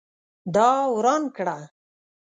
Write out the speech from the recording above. دا وران کړه